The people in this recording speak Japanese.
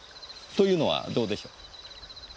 というのはどうでしょう？